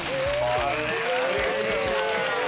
これはうれしいな！